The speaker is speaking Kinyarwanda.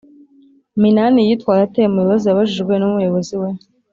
Minani yitwaye ate mu bibazo yabajijwe n‘umuyobozi we?